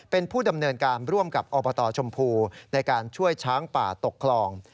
เป็นผู้ดำเนินการร่วมกับอบตชมพูในการช่วยช้างป่าตกคลอง